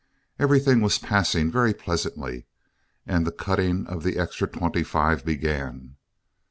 Everything was passing very pleasantly, and the cutting of the extra twenty five began.